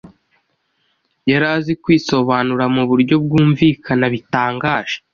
Yari azi kwisobanura mu buryo bwumvikana bitangaje